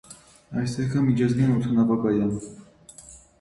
Այստեղ կա միջազգային օդանավակայան։